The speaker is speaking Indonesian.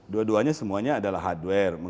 dua duanya semuanya adalah hardware